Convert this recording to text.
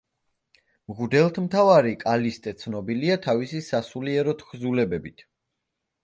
მღვდელმთავარი კალისტე ცნობილია თავისი სასულიერო თხზულებებით.